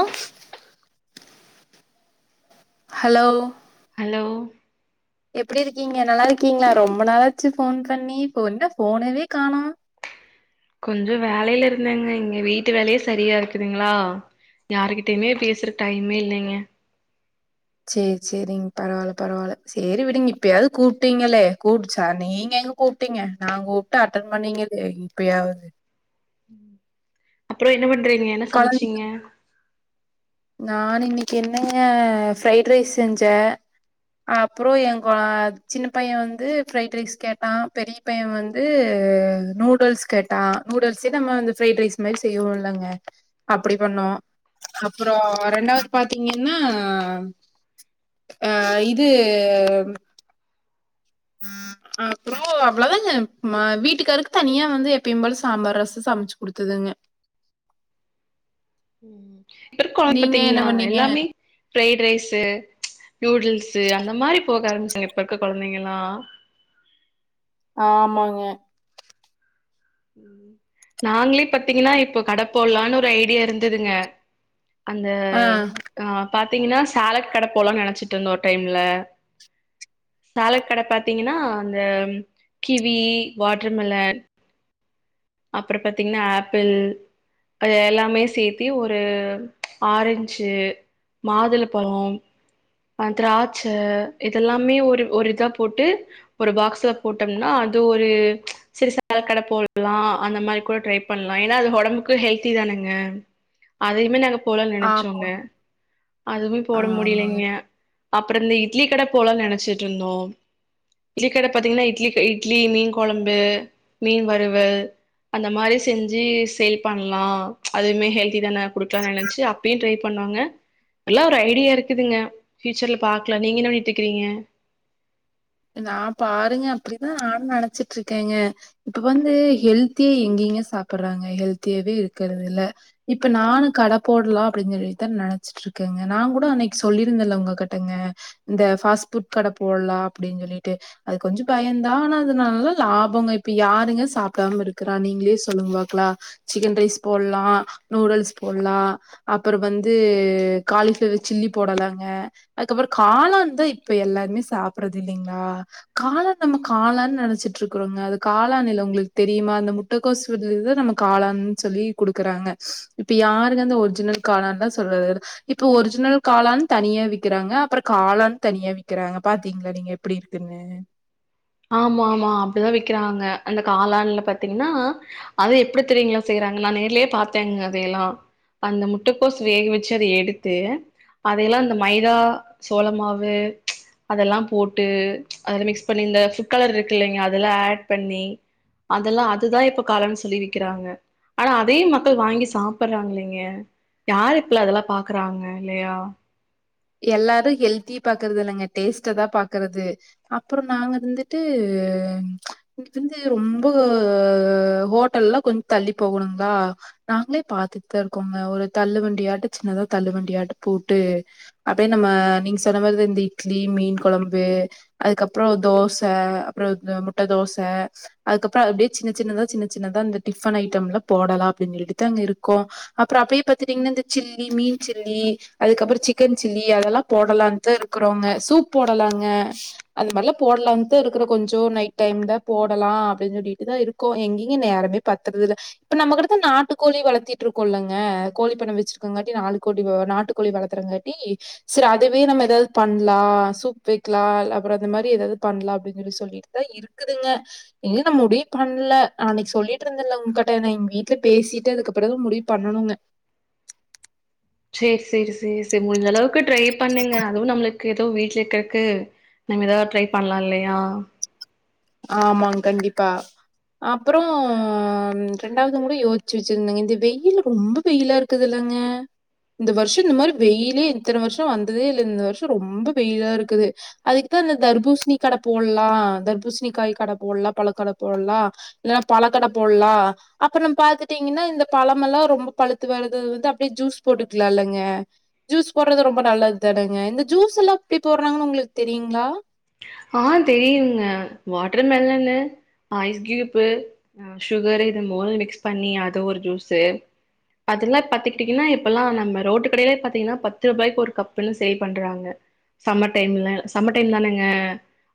ஆ hello hello எப்டி இருக்கீங்க நல்லா இருக்கீங்களா ரொம்ப நாளாச்சு போன் பண்ணி என்ன போன்னவே கானோ கொஞ்சோ வேலையில இருந்தேங்க இங்க வீட்டு வேலேயே சரியா இருக்குதுங்களா யாருகிட்டயுமே பேசுரக்கு டைமே இல்லைங்க செரி செரிங்க பரவாயில்ல பரவாயில்ல செரி விடுங்க இப்பயாவது கூப்பிட்டீங்களே கூப்பிச்சா நீங்க நீங்க கூப்பிட்டீங்க நா கூப்ட்டு அட்டன் பண்ணீங்க இப்பயாவது அப்ரோ என்ன பண்றீங்க என்ன சமச்சீங்க நானு இன்னிக்கு என்னங்க ஃரைட்டு ரைஸ் செஞ்சே அப்புரோ எங்க சின்ன பைய வந்து பிரஃரைட் ரைஸ் கேட்டா பெரிய பைய வந்து நூடுல்ஸ் கேட்டா நூடுல்ஸே நம்ம வந்து பிரைட் மாரி செய்வோ இல்லங்க அப்டி பண்ணோ அப்புரோ ரெண்டாவது பாத்தீங்கனா ஆ இது அப்புரோ அவ்வள தாங்க ம வீட்டுக்காருக்கு தனியா வந்து எப்பியு போல சாம்பார் ரசோ சமைச்சு குடுத்துதுங்க இப்ப இருக்கோ கொழந்த நீங்க என்ன பாத்தீங்களா பண்ணீங்க? எல்லாமே ஃரைட் ரைஸ்சு நூடுல்ஸ்சு அந்த மாரி போக ஆரம்பிச்சாங்க இப்ப இருக்க கொழந்தைங்களா ஆமாங்க நாங்களே பாத்தீங்கன்னா இப்போ கட போடலான்னு ஒரு ஐடியா இருந்ததுங்க அந்த ஆ அ பாத்தீங்கன்னா சாலட் கட போடுலானு நெனச்சிட்டு இருந்தோ ஒரு டைம்ல சாலட்க்கடே பாத்தீங்கன்னா அந்த கிவி வாட்டர்மெலன் அப்புர பாத்தீங்கன்னா ஆப்பிள் அது எல்லாமே சேத்தி ஒரு ஆரஞ்சு மாதுள பலோ திராட்ச இதெல்லாமே ஒரு ஒரு இதா போட்டு ஒரு பாக்ஸ்ல போட்டோம்னா அது ஒரு ம்ச் சிறு சாலட் கடே போட்லா அந்த மாரி கூட ட்ரை பண்ணலா ஏனா அது ஒடம்புக்கு ஹெல்தி தானங்க அதையுமே நாங்க போல ஆமா, நினச்சோங்க அதுமே போட ஆமாங்க. முடியலைங்க அப்புரோ இந்த இட்லி கட போலாம்னு நெனச்சிட்டு இருந்தோ இட்லி கட பாத்தீங்கன்னா இட்லி இட்லி மீன் கொளம்பு மீன் வறுவல் அந்த மாதிரி செஞ்சி சேல் பண்லா ம்ச் அதுவுமே ஹெல்தி தானே குடுக்கலானு நெனைச்சி அப்பியு டிரை பண்ண னோங்க எல்லா ஒரு ஐடியா இருக்குதுங்க பியூச்சர்ல பாக்கல நீங்க என்ன பண்ணிட்டு இருக்கிறீங்க [inaudible] நா பாருங்க அப்படிதா நானு நெனச்சிட்டு இருக்கங்க இப்ப வந்து ஹெல்த்தியா எங்க எங்கங்க சாப்பறாங்க ஹெல்தியாவே இருக்கறது இல்ல இப்ப நானு கடே போடலா அப்பிடின்னு சொல்லித நெனச்ச சுட்டுருக்கங்க நா கூட அன்னைக்கு சொல்லிருந்தல உங்க கிட்டங்க இந்த ஃபாஸ்ட் ஃபுட் கட போலாம் அப்டின்னு சொல்லிட்டு அது கொஞ்சு பயோந்தா ஆனா அதனால லாபங்க இப்ப யாருங்க சாப்டாம இருக்கறா நீ நீங்களே சொல்லுங்க பாக்கலா சிக்கன் ரைஸ் போட்ல்லா நூடுல்ஸ் போட்ல்லா அப்பறோ வந்து காலிப்பளவர் சில்லி போடலாங்க அதுக்கப்பறோ காளான்தா இப்ப எல்லாருமே சாப்ப சாப்பறது இல்லிங்களா காளான் நம்ம காளான்னு நெனச்சிட்டு இருக்கறோங்க அது காளானில்ல உங்களுக்கு தெரியுமா அந்த முட்டகோசு [unintelligible] நம்ம காளான் சொல்லி குடுக்கறாங்க இப்ப யாருங்க அந்த ஒரிஜினல் காளான்லா சொல்றது இப்ப ஒரிஜினல் காலான் தனியா விக்கிறாங்க அப்பறோ காலான்னு தனியா விக்கிறாங்க பாத்து பாத்தீங்களா நீங்க எப்பிடி இருக்குன்னு ஆமா ஆமா அப்புடிதா விக்கறாங்க அந்த காலண்ல பாத்தீங்கன்னா அது எப்பிடி தெரியுங்களா செய் நா நேர்லயே பாத்தேங்க அதேயெல்லா அந்த முட்டக்கோசு வேக வெச்சு அத எடுத்து அதையெல்லா இந்த மைதா சோள மாவு அதெல்லாம் போட்டு அதுல மிக்ஸ் பண்ணி இந்த ஃபுட் கலர் இருக்கில்லிங்க அதெல்லா ஏட் பண்ணி அதெல்லா அதுதா இப்ப காளான் சொல்லி விக்கிறாங்க ஆனா அதயு மக்கள் வாங்கி சாப்பறாங்கில்லிங்க யாரு இப்பலா அதெல்லா பாக்கறாங்க இல்லையா எல்லாரு ஹெல்திய பாக்கறது இல்லங்க டேஸ்ட தா பாக்கறது அப்பறோ நாங்க இருந்துட்டு [unintelligible] ரொம்போ ஹோட்டல்லா கொஞ் தள்ளி போகோணுங்ளா நாங்ளே பாத்துட் தா இருக்கோங்க ஒரு தள்ளுவண்டியாட்ட சின்னதா தள்ளு வண்டியாட்ட போட்டு அப்பயு நம்ம நீங்க சொன்ன மாரிதா இந்த இட்லி மீன் கொழம்பு அதுக்கப்பறோ தோச அப்ற [unintelligible] அ முட்ட தோச அதுக்கப்றோ அது அப்டியே சின்ன சின்னதா சின்ன சின்னதா இந்த டிஃபன் ஐட்டம்லா போடலா அப்டி [unintelligible] தாங்க இருக்கோ அப்றோ அப்டியே பாத்துடீங்ன்னா இந்த சில்லி மீன் சில்லி அதுக்கப்புறோ சிக்கன் சில்லி அதெல்லா போடலான்தா இருக்குறோங்க சூப் போடலாங்க அந் மார்ல்லா போடலான்தா இருக்றோ கொ ஞ்சோ நைட் டைம்ல போடலா அப்டின் சொல்லிட்டுதா இருக்கோ எங்கீங்க நேரமே பத்தறதில்ல இப்ப நம்ம கிட்டத்த நாட்டு கோழி வளத்திட்ருக்கோ இல்லங்க கோழி பண்ண வெச்சிருக்கங்காட்டி நாலு கோடி வ நாட்டு கோழி வளத்தறங்கா ட்டி செரி அதுவே நம்ம எதாது பண்லா சூப் வெக்லா ல் அப்பற அந்த மாரி எதாது பண்லா அப்டின் சொல்லிட்டு தா இருக்குதுங்க இன்னு ந முடிவு பண்ல ஆ அன்னிக்கு சொல்லிட்ருந்தல்ல உங்கட்ட நா எங் வீ ட்ல பேசிட்டு அதுக்கப்பற முடிவு பண்ணணுங்க சேர் சேரி சேர் சே முஞ்ச அளவுக்கு ட்ரை பண்ணுங்க அதுவு நம்ள க்கு எதோ வீட்ல இக்கறக்கு நம்ம எதாவ ட்ரை பண்லா இல்லையா ஆமாங் கண்டிப்பா அப்பறோ ரெண்டாவதுங் கூட யோச்சி வெச்சிருந்தங்க இந்த வெயிலு ரொம்ப வெயிலா இருக்குதுல்ல ங்க இந்த வர்ஷோ இந்த மாரி வெயி லே இத்தன வர்ஷோ வந்ததே இல்ல இந்த வர்ஷோ ரொம்ப வெயிலா இருக்குது அதுக்குத்தா இந்த தர்பூசிணி கட போல் லா தர்பூசிணி காய் கட போல்லா பழக்கட போல்லா இல்லனா பழக்கட போல்லா அப்ற நம் பாத்துட்டீங்கன்னா இந்த பழமெல்லா ரொம்ப பழுத்து வரது வந்து அப்டே ஜூஸ் போட்டுக்லா இல்லங்க ஜூஸ் போட்றது ரொம்ப நல்லதுத்தா டங்க இந்த ஜூஸ் எல்லா ப்டி போட்றாங்கன் உங்குளுக் தெரியுங்ளா ஆ தெரியுங்க வாட்ர் மெலன்னு ஐஸ் கியூப்பு சுகரு இத மூணு மிக்ஸ் பண்ணி அது ஒரு ஜூஸு அதுல்லா பாத்துக்கிட்டீங்கன்னா இப்பெல்லா நம்ம ரோட்டு கடையிலே பாத்தீங்கனா பத்து ருபாய்க்கு ஒரு கப்புன் சேல் பண்றாங்க சம்மர் டைம்ல சம்ம டைம் தானங்க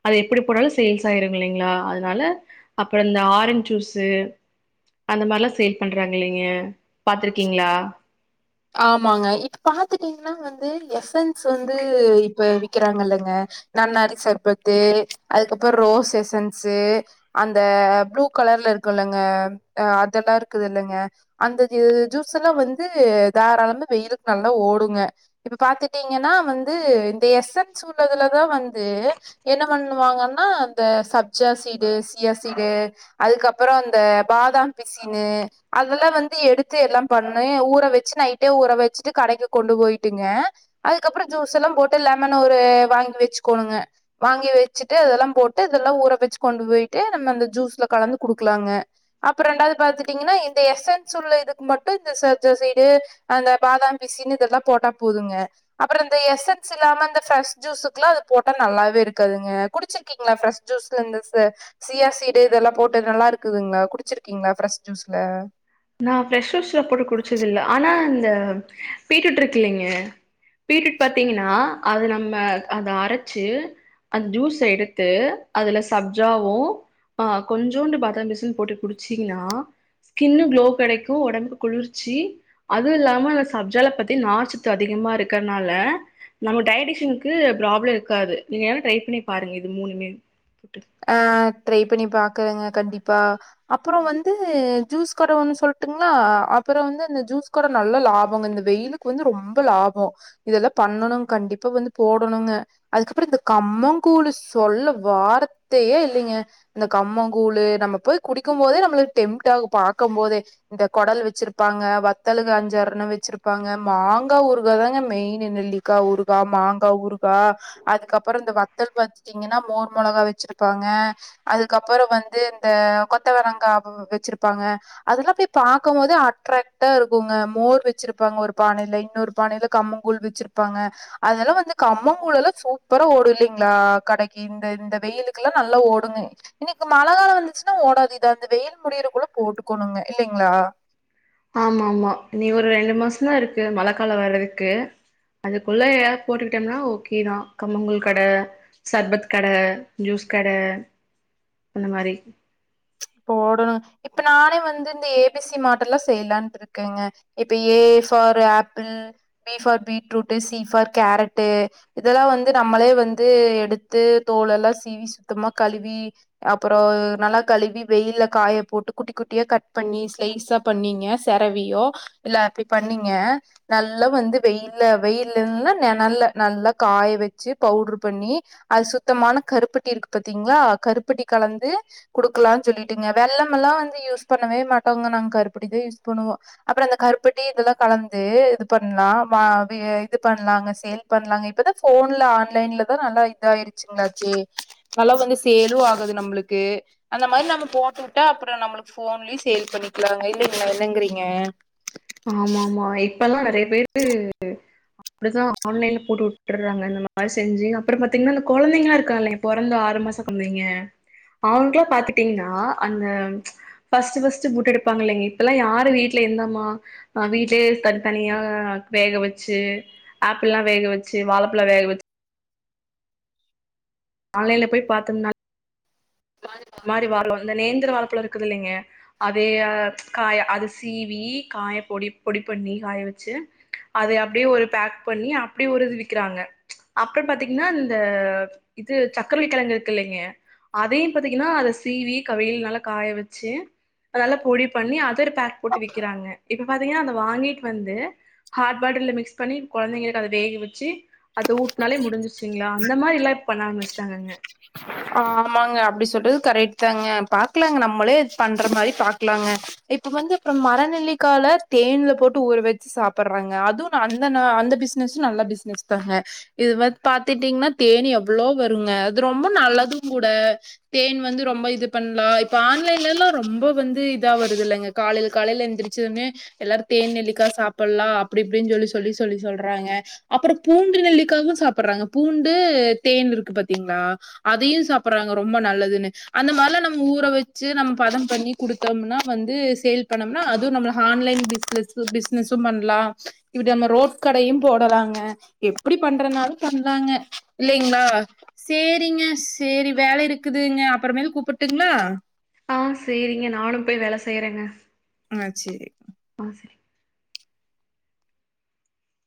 அது எப்பிடி போனாலு சேல்ஸ் ஆயிருங்கில்லைங்ளா அதுனால அப்புறோ இந்த ஆரஞ் ஜூஸு அந்த மார்ல்லா சேல் பண்றாங்க இல்லீங்க பாத்துருக்கீங்ளா ஆமாங்க இப்ப பாத்துட்டீங்ன்னா வந்து எசன்ஸ் வந்து இப்ப விக்கிறாங் இல்லங்க நன்னாரி சர்பத்து அதுக்கப்பற் ரோஸ் எசென்சு அந்த ப்ளூ க லர்ல இருக்குல்லங்க ஆ அதல்லா இருக்குதில்லங்க அந்த [unintelligible] ஜூஸெல்லா வந்து தாராளமா வெயிலுக் நல்லா ஓடுங்க இப்ப பாத்துட்டீங்கனா வந்து இந்த எஸ்சென்ஸ் உள்ளதுல தா வந்து என்ன பண்ணுவாங்கன்னா அந்த சப்ஜா சீடு சியா சீடு அ துக்கப்பறோ அந்த பாதாம் பிசினு அதெல்லா வந்து எடுத்து எல்லாம் பண்ணு ஊற வெ ச்சு நைட்டே ஊற வெச்சிட்டு கடைக்கு கொண்டு போய்ட்டுங்க அதுக்கப்ற ஜூஸ் எல்லாம் போட்டு லெமன் ஒரு வா ங்கி வெச்சுக்கோனுங்க வாங்கி வெச்சிட்டு அதெல்லாம் போட்டு அதுல்லா ஊற வெச்சு கொண்டு போயிட்டு நம்ம அந்த ஜூஸ்ல கல ந்து குடுக்லாங்க அப்ப ரெண்டாவ்து பாத்துட்டீங்கன்னா இந்த எஸ்சென்சு உள்ள இதுக்கு மட்டு இந்த சப்ஜா சீ டு அந்த பாதாம் பிசினு இதெல்லா போட்டா போதுங்க அப்ற இந்த எஸ்சென்சு இல்லாம இந்த ப்ரெஷ் ஜூ ஸுக்லா அது போட்டா நல்லாவே இருக்காதுங்க குடிச்சிருக்கீங்ளா ப்ரெஷ் ஜூஸ்ல இந்த ச சியா சீடு இதெல்லா போட்டு நல்லாருக்குதுங்ளா குடிச்சிருக்கீங்ளா ஃப்ரெஷ் ஜூஸ்ல நா ஃப்ரெஷ் ஜூஸ்ல போட்டு குடிச்சதில்ல ஆனா இந்த பீட்ரூட்ருக்குல்லிங்க பீட்ரூட் பாத்தீங்கனா அத நம்ம அத அரைச்சு அந்த ஜூஸ்ஸ எடுத்து அதல சப்ஜாவு ஆ கொஞ்சூண்டு பாதாம் பிசின் போட்டு குடிச்சீங்ன்னா ஸ்கின்னு குளோ கெடைக்கு ஒடம்புக்கு குளிர்ச்சி அது இல்லாம அந்த சப்ஜால பாத்தி நார்ச்சத்து அதிகமாருக்க னால நம்ம டைஷனுக்கு ப்ராப்ள இருக்காது நீங்கவென ட்ரை பண்ணி பாருங்க இது மூணுமே அ ட்ரை பண்ணி பாக்குறேங்க கண்டிப்பா அப்றோ வந்து ஜூஸ் கட ஒன்னு சொல்ட்டுங்களா அப்றோம் வந்து அந்த ஜூஸ் கட நல்ல லாபங்க இந்த வெயிலுக்கு வந்து ரொம்ப லாப மோ இதெல்லா பண்ணணு கண்டிப்பா வந்து போடணும்ங்க அதுக்கப்புற இந்த கம்பங் கூழ் சொல்ல வாரத் த்தையே இல்லங்க இந்த கம்ப கூழு நம்ம போய் குடிக்கு போதே நம்மளுக்கு டெம்டாகு பாக்கு போதே இந்த கொடல் வச்சிருப்பாங்க வத்தலு அஞ்சறுண வச்சிருப்பாங்க மாங்கா ஊருகா தாங்க மெயின் என் நெலிக்கா உருகா மாங்கா உருகா அதுக்கப்பற இந்த வத்தல் பாத்திங்கன்னா மோர் மிளகா வச்ச ப்பாங்க அதுக்கப்பற வந்து இந்த கொத்தவரங்கா வச்சிருப்பாங்க அதெல்லா பே பாக்கு போது அட்ராக்ட்டா இருக்குங்க மோர் வெச்சிருப்பாங்க ஒரு பானையில இன்னொரு பானையில கம்மங்கழ் வச்சிருப் ப்பாங்க அதல வந்து கம்மங்கூழு லெல்லா சூப்பர ஓடுல்லிங்களா கடைக்கு இந்த இந்த வெயிலுக் நல்லா ஓடுங்க இன்னிக்கு மழ கால வந்துச்சுன்னா ஓடாது அந்த வெயில் முடியிற கூட போட்டுக்கணுங்க இல்லைங் லா ஆமா ஆமா நீ ஒரு ரெண்டு மாசம்தா இருக்கு மழ கால வர்றதுக்கு அதுக்குள்ள போட்டுக்கிட்டோம்னா ஓகே தா கம்மங்க்கூழ் கட சர்பத் கட ஜூஸ் கட அந்த மாரி போடணு இப்ப நானே வந்து இந்த ஏ பி சி மாட்டெல்லா செய்யலான்ட் இருக்கேங்க இப்ப A A for apple B for beetroot C for carrot இதெல்லா வந்து நம்மளே வந்து எடுத்து தோல எல்லா சீவி சுத்தமா கழுவி அப்புறம் நல்லா கழுவி வெயில்ல காய போட்டு குட்டி குட்டியா கட் பண்ணி ஸ்லைஸா பண்ணீங்க செரவியோ இல்ல அப்பிபண்ணி நீங்க நல்ல வந்து வெயில்ல வெயில் இல்ல நினல்ல நல்லா காய வச்சு பவு டர் பண்ணி அது சுத்தமான கருப்பட்டி இருக்கு பாத்தீங்களா கருப்பட்டி கலந்து குடுக்கலா சொல்லிட்ங்க வெள்ள எல்லா வந்து யூஸ் பண்ணவே மாட்டோங்க நாங்க கருப்படி தா யூஸ் பண்ணுவோ அப்புறம் அந்த கருப்பட்டி கலந்து இது பண்லா இது பண்லாங்க சேல் பண்ணலாங்க இப்பதா போன்ல ஆன்லைன் தா நல்லா இத ஆயிருச்சுங்களாச்ச நல்லா வந்து செலும் ஆகுது நம்மளுக்கு அந்த மாரி நா நம்ம போட்டு விட்டா அப்புறம் நம்மளுக்கு போன்லயும் சேல் பண்ணிக்கலாங்க இல்லிங்களா என்னங்குறீங்க இப்பல்லா நெறைய பேரு அப்படிதா ஆன்லைன்ல போட்டு வுட்டுறாங்க இந்த மாரி செஞ்சு அப்புறம் பாத்தீங்கன்னா அந்த கொழதைங்களா இருக்காளங்க பொறந்து ஆறு ஒன்ற மாச பண்ணுவீங்க அவங்க பாத்துட்டீங்கன்னா அந்த பர்ஸ்ட் பர்ஸ்ட்டு பூட் எடுப்பாங்க இலைங்க இப்ப எல்லா யாரு வீட்ல என்னம்மா ஆ வீட்லயே தனித்தனியா வேக வச்சு ஆப்பில்லா வேக வச்சு வாழப்பலா வேக வச் ஆன்லைன்ல போய் பார்த்தம்னா இந்த மாரி நேந்திர வாழ பழம் இருக்குது இல்லைங்க அதய காய அது சீவி காய பொடி பொடி பண்ணி காய வச்சு அத அப்படியே ஒரு பேக் பண்ணி அப்படியே ஒரு விக்கிறாங்க அப்புறம் பாத்தீங்கன்னா இந்த இது சக்கரவள்ளி கிழங்கு இருக்கு இல்லைங்க அதையு பாத்தீங்கன்னா அத சீவி வெயில் நல்ல காய வச்சு நல்ல பொடி பண்ணி அத பேக் போட்டு விக்கிறாங்க இப்ப பாத்தீங்கன்னா அத வாங்கிட்டு வந்து ஹாட் வாட்டர்ல மிக்ஸ் பண்ணி குழந்தைகளுக்கு அத வேக வெச்சு அத உட்டுனாலே முடுஞ்சுழிகலா அந்த மாறி எல்லா பண்ண ஆரம்பிச்சுட்டாங்க ஆமாங்க அப்படி சொல்றது கரெக்ட் தாங்க பாக்கலாங்க நம்மளே பண்ற மாதிரி பாக்கலாங்க இப்ப வந்து மரநெல்லிக்கல தேன்ல போட்டு ஊற வச்சு சாப்பிடுறாங்க அதுவூ அந்த அந்த பிசினஸ் நல்ல பிசினஸ் தாங்க இது வ பா்த்தட்டீங்கன்னா தேனி எவ்வளோ வருங்க ரொம்ப நல்லதும் கூட தேன் வந்து ரொம்ப இது பண்ணலா இப்ப ஆன்லைன்லல்லா ரொம்ப வந்து இதா வருது இல்லலைங்க காலையில காலையில எந்திரிச்சதுமே எல்லாரு தேன் நெல்லிக்கா சாப்பிடலா அப்படி இப்படின்னு சொல்லி சொல்லி சொல்லி சொல்றாங்க அப்புறம் பூண்டு நெல்லிக்காகவு சாப்பிடுறாங்க பூண்டு தேன் இருக்கு பாத்தீங் னா அதையு சாப்படறாங்க ரொம்ப நல்லதுன்னு அந்த மாரிலா நம்ம ஊற வெச்சு நம்ம பதம் பண்ணி குடுத்த ம்னா வந்து சேல் பண்ணம்னா அதுவு நம்ம ஹான்லைன் பிசினஸ் பிசினஸ்ஸு பண்லா இப்டி நம்ம ரோட் கடையு போடலாங்க எப்படி பண்றனாலு பண்லாங்க இல்லைங்ளா சேரிங்க சேரி வேலை இருக்குதுங்க அப்பறமேல் கூப்புட்டுங்ளா ஆ சேரிங்க நானும் போய் வேல செய்யறேங்க ஆ சேரி ஆ சரி